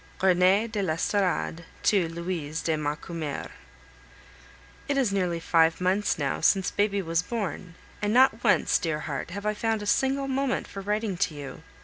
XXXI. RENEE DE L'ESTORADE TO LOUISE DE MACUMER It is nearly five months now since baby was born, and not once, dear heart, have I found a single moment for writing to you.